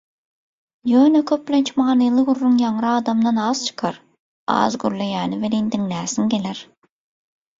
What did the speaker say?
Ýöne köplenç manyly gürrüň ýaňra adamdan az çykar, az gürleýäni welin, diňläsiň geler.